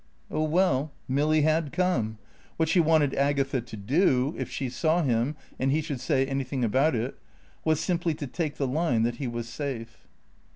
Oh well, Milly had come. What she wanted Agatha to do if she saw him and he should say anything about it was simply to take the line that he was safe.